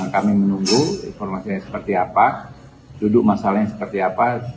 kami menunggu informasinya seperti apa duduk masalahnya seperti apa